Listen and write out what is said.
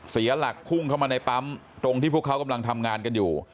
เสียหลักพุ่งเข้ามาในปั๊มตรงที่พวกเขากำลังทำงานกันอยู่